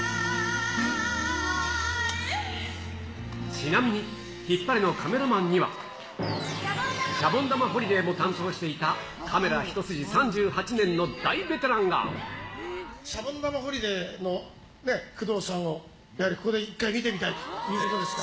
ちなみに、ヒッパレのカメラマンには、シャボン玉ホリデーも担当していた、カメラ一筋３８年の大ベテラシャボン玉ホリデーの工藤さんを、やはりここで一回見てみたいということですか。